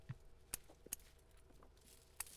Bemor nega buncha uyiga oshiqmasa